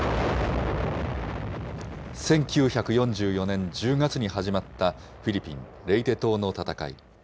１９４４年１０月に始まったフィリピン・レイテ島の戦い。